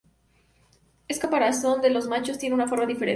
El caparazón de los machos tiene una forma diferente.